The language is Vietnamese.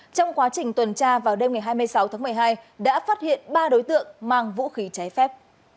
trong quá trình tuần tra vào đêm ngày hai mươi sáu tháng một mươi hai đã phát hiện ba đối tượng mang vũ khí trái phép